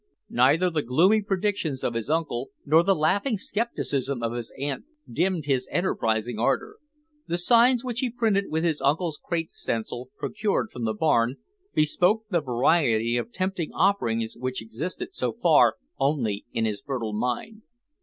Neither the gloomy predictions of his uncle nor the laughing skepticism of his aunt dimmed his enterprising ardor. The signs which he printed with his uncle's crate stencil, procured from the barn, bespoke the variety of tempting offerings which existed so far only in his fertile mind.